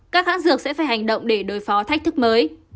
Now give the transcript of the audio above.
các hãng dược sẽ phải hành động để đối phó thách thức mới